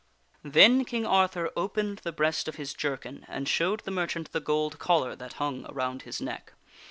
Then King Arthur opened the breast of his jerkin and showed the mer chant the gold collar that hung around his neck.